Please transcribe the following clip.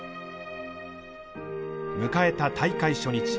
迎えた大会初日。